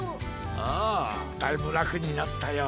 ああだいぶらくになったよ。